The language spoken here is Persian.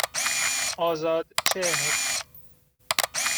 آزادچهر